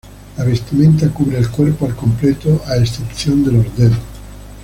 La vestimenta cubre el cuerpo al completo a excepción de los dedos.